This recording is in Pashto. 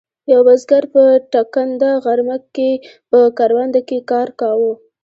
یوه بزګر په ټکنده غرمه کې په کرونده کې کار کاوه.